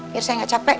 biar saya gak capek